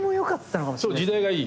そう時代がいい。